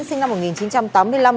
sinh năm một nghìn chín trăm tám mươi năm